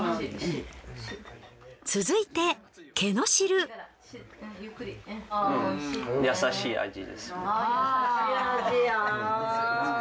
続いて優しい味です。